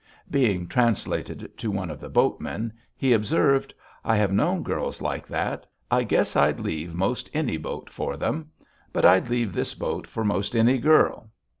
Being translated to one of the boatmen, he observed: "I have known girls like that. I guess I'd leave most any boat for them. But I'd leave this boat for most any girl."